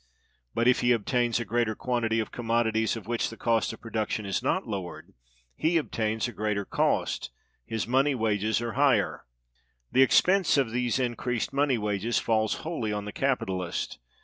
But, if he obtains a greater quantity of commodities of which the cost of production is not lowered, he obtains a greater cost; his money wages are higher. The expense of these increased money wages falls wholly on the capitalist.